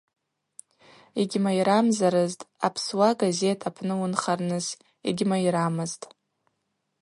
Йгьмайрамзарызтӏ апсуа газет апны уынхарныс? – Йгьмайрамызтӏ.